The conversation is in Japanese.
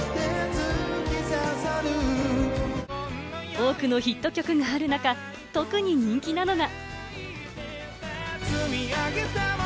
多くのヒット曲がある中、特に人気なのが。